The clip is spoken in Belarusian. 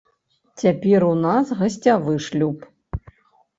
Цяпер у нас гасцявы шлюб.